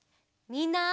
みんな！